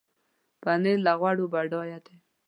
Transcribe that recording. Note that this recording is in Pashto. پنېر له غوړو بډایه دی.